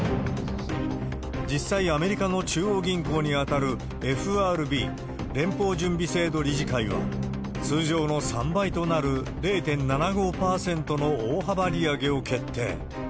実際、アメリカの中央銀行に当たるＦＲＢ・連邦準備制度理事会は、通常の３倍となる０．７５％の大幅利上げを決定。